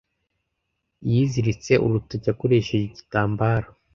Yiziritse urutoki akoresheje igitambaro.